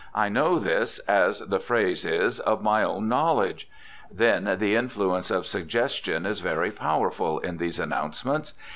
I know this, as the phrase is, of my own knowledge. Then, the influence of suggestion is very powerful in these announcements.